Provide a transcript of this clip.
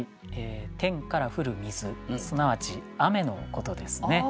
天から降る水すなわち雨のことですね。